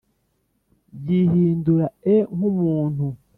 yihindura e nk umuntu